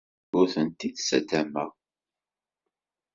Ur tent-id-ttaddameɣ.